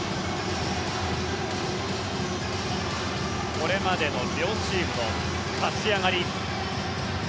これまでの両チームの勝ち上がり。